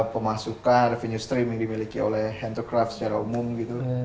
pemasukan revenue streaming dimiliki oleh hand to craft secara umum gitu